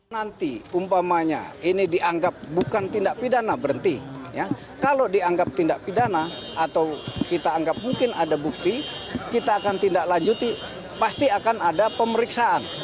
nanti umpamanya ini dianggap bukan tindak pidana berhenti kalau dianggap tindak pidana atau kita anggap mungkin ada bukti kita akan tindak lanjuti pasti akan ada pemeriksaan